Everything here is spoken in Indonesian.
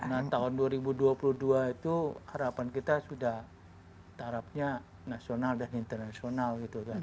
nah tahun dua ribu dua puluh dua itu harapan kita sudah tarapnya nasional dan internasional gitu kan